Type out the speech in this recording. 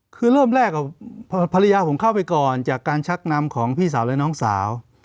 คือเริ่มแรกภรรยาผมเข้าไปก่อนจากการชักนำของพี่สาวและน้องสาว